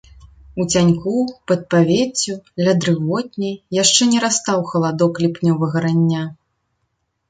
У цяньку, пад павеццю, ля дрывотні, яшчэ не растаў халадок ліпнёвага рання.